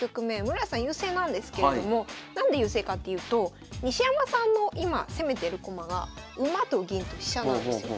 室谷さん優勢なんですけれども何で優勢かっていうと西山さんの今攻めてる駒が馬と銀と飛車なんですよ。